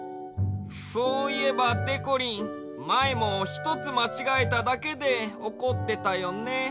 そういえばでこりんまえもひとつまちがえただけでおこってたよね。